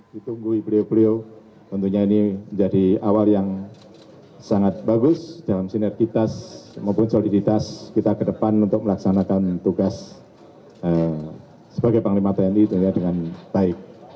ditunggui beliau beliau tentunya ini menjadi awal yang sangat bagus dalam sinergitas maupun soliditas kita ke depan untuk melaksanakan tugas sebagai panglima tni dengan baik